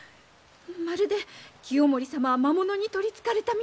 まるで清盛様は魔物に取りつかれたみたい。